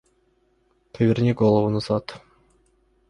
Поверни голову назад!